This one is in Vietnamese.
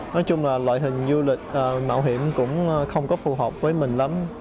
nói chung là loại hình du lịch mạo hiểm cũng không có phù hợp với mình lắm